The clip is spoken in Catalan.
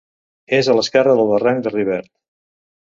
És a l'esquerra del barranc de Rivert.